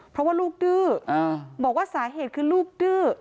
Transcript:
เพราะว่าลูกดื้อบอกว่าสาเหตุคือลูกดื้อ